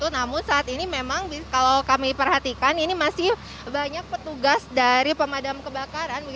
namun saat ini memang kalau kami perhatikan ini masih banyak petugas dari pemadam kebakaran